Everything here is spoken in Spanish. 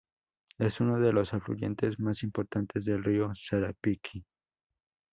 Es uno de los afluentes más importantes del río Sarapiquí.